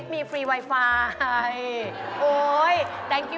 ต่อมากับข่าวมาอายุให้ดี